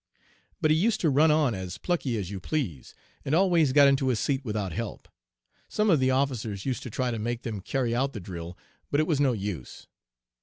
But he used to run on as plucky as you please, and always got into his seat without help. Some of the officers used to try to make them carry out the drill, but it was no use.